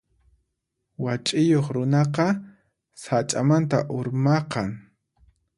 Wach'iyuq runaqa sach'amanta urmaqan.